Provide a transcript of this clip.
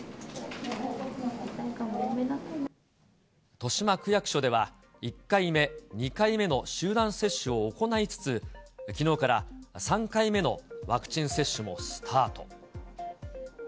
豊島区役所では、１回目、２回目の集団接種を行いつつ、きのうから３回目のワクチン接種もスタート。